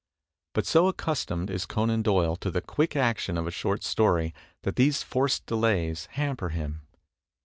But so accustomed is Conan Doyle to the quick action of a short story that these forced delays hamper him.